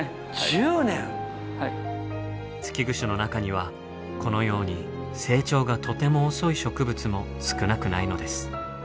絶滅危惧種の中にはこのように成長がとても遅い植物も少なくないのです。